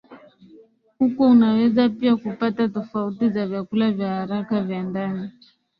Huko unaweza pia kupata tofauti za vyakula vya haraka vya ndani